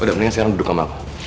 udah mendingan sekarang duduk sama aku